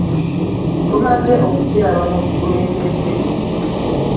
Tumaze okukiraba mu bikulembedde.